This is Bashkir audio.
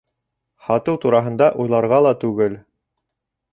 Һатыу тураһында уйларға ла түгел.